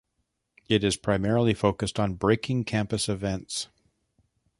It is primarily focused on breaking campus events.